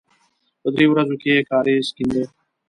په دریو ورځو کې یې کاریز کېنده.